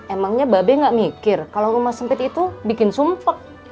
emangnya babe nggak mikir kalau rumah sempit itu bikin sumpek